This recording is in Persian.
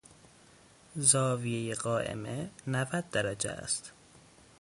زاویهی قائمه نود درجه است.